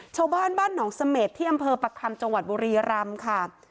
ชาวบ้านบ้านหนองเสม็ดที่อำเภอประคำจังหวัดบุรีรำค่ะ